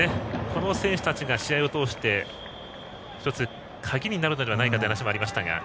この選手たちが試合を通して１つの鍵になるのではという話もありましたが。